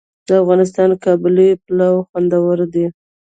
د افغانستان قابلي پلاو خوندور دی